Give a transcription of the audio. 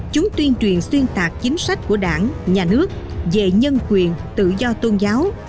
chúng tuyên truyền xuyên tạc chính sách của đảng nhà nước về nhân quyền tự do tôn giáo